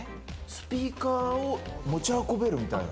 スピーカーを持ち運べるみたいな。